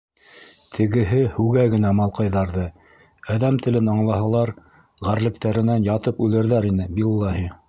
Тегеһе һүгә генә малҡайҙарҙы, әҙәм телен аңлаһалар, ғәрлектәренән ятып үлерҙәр ине, биллаһи.